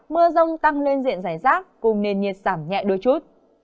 mưa rông tăng lên diện giải rác cùng nền nhiệt giảm nhẹ đôi chút